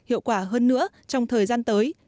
hiệu quả hơn nữa trong thời gian tới